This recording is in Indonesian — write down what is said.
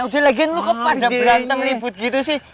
udah lagi lo kepadam berantem ribut gitu sih